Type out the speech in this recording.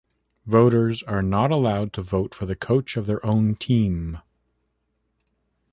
Voters are not allowed to vote for the coach of their own team.